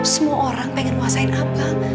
semua orang pengen nuasain abang